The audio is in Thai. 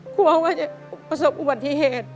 กลัวว่าจะประสบอุบัติเหตุ